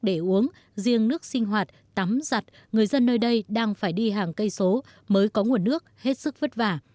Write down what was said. để uống riêng nước sinh hoạt tắm giặt người dân nơi đây đang phải đi hàng cây số mới có nguồn nước hết sức vất vả